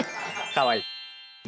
かわいい。